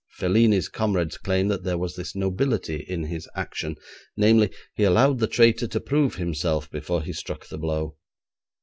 Felini's comrades claim that there was this nobility in his action, namely, he allowed the traitor to prove himself before he struck the blow.